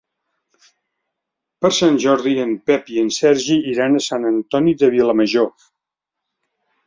Per Sant Jordi en Pep i en Sergi iran a Sant Antoni de Vilamajor.